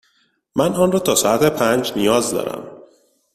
من آن را تا ساعت پنج نیاز دارم.